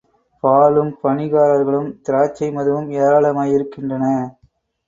பாலும், பணிகாரர்களும், திராட்சை மதுவும் ஏராளமாயிருக்கின்றன.